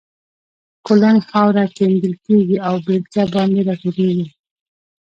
کولنګ خاوره کیندل کېږي او بېلچه باندې را ټولېږي.